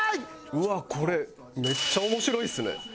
うわっこれめっちゃ面白いですね！